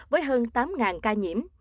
với hơn tám ca nhiễm